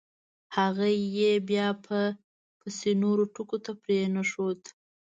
هغه یې بیا به … پسې نورو ټکو ته پرېنښود.